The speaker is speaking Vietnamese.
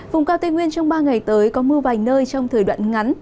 vùng cao tây nguyên trong ba ngày tới có mưa vài nơi trong thời đoạn ngắn